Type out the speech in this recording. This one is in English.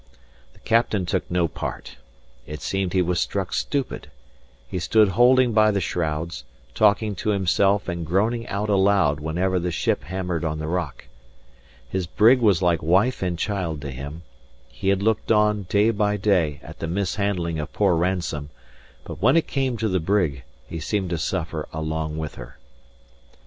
The captain took no part. It seemed he was struck stupid. He stood holding by the shrouds, talking to himself and groaning out aloud whenever the ship hammered on the rock. His brig was like wife and child to him; he had looked on, day by day, at the mishandling of poor Ransome; but when it came to the brig, he seemed to suffer along with her.